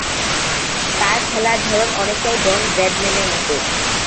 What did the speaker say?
তার খেলার ধরন অনেকটাই ডন ব্র্যাডম্যানের মতো।